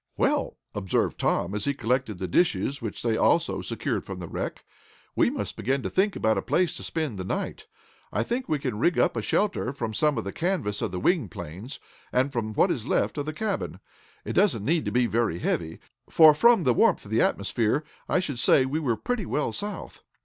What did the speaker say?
"Well," observed Tom, as he collected the dishes, which they had also secured from the wreck, "we must begin to think about a place to spend the night. I think we can rig up a shelter from some of the canvas of the wing planes, and from what is left of the cabin. It doesn't need to be very heavy, for from the warmth of the atmosphere, I should say we were pretty well south."